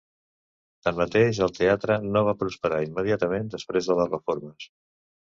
Tanmateix, el teatre no va prosperar immediatament després de les reformes.